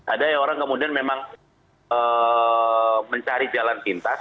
ada yang orang kemudian memang mencari jalan pintas